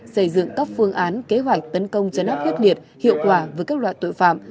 xây dựng các phương án kế hoạch tấn công chấn áp quyết liệt hiệu quả với các loại tội phạm